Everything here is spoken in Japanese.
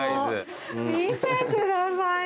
見てくださいよ。